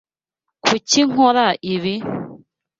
Kuki nkora ibi?